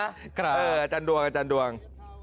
อาจารย์ดวงอาจารย์ดวง